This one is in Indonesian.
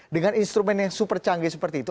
dengan instrumen yang super canggih seperti itu